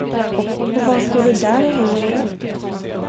Och vad står du där och hänger för?